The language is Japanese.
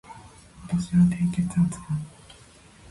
私は低血圧だ